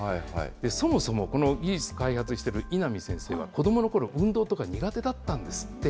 そもそもこの技術開発している稲見先生は子どものころ、運動とか苦手だったんですって。